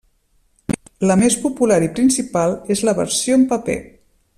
La més popular i principal és la versió en paper.